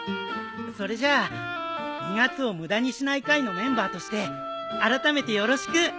それじゃあ２月を無駄にしない会のメンバーとしてあらためてよろしく！